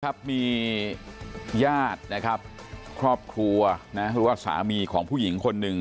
ครับมีญาตินะครับครอบครัวนะหรือว่าสามีของผู้หญิงคนหนึ่ง